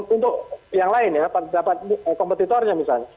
untuk yang lain ya dapat kompetitornya misalnya